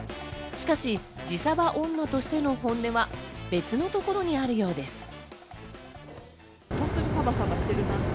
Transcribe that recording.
しかし自サバ女としての本音は別のところにあるようです。